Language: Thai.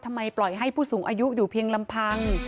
ปล่อยให้ผู้สูงอายุอยู่เพียงลำพัง